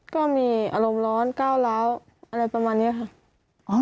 ก็มีอารมณ์ร้อนก้าวร้าวอะไรประมาณนี้ค่ะ